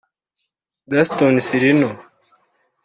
Gaston Sirino